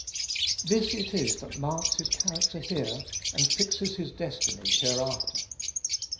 This it is that marks his character here, and fixes his destiny hereafter.